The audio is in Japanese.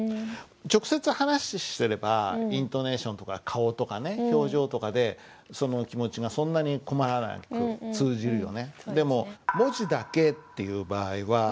直接話してればイントネーションとか顔とかね表情とかでその気持ちがそんなに困らなく通じるよね。